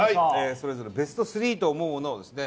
それぞれベスト３と思う物をですね